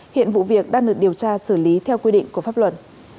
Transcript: hiện vụ việc đang được điều tra xử lý theo quy định của pháp luật